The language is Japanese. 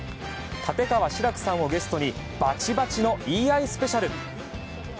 立川志らくさんをゲストにバチバチの言い合いスペシャル！